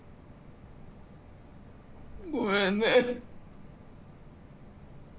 ごめんね。